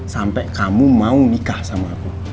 sampai kamu mau nikah sama aku